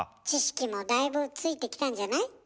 知識もだいぶついてきたんじゃない？